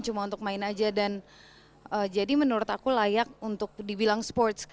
cuma untuk main aja dan jadi menurut aku layak untuk dibilang sports